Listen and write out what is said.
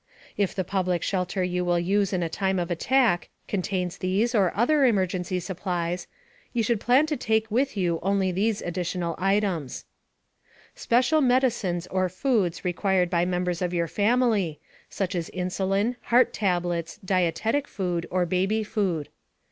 If the public shelter you will use in a time of attack contains these or other emergency supplies, you should plan to take with you only these additional items: Special medicines or foods required by members of your family, such as insulin, heart tablets, dietetic food or baby food.